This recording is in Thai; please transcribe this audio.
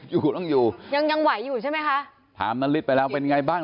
ยังอยู่ยังไหวอยู่ใช่ไหมคะถามนาริสไปแล้วเป็นยังไงบ้าง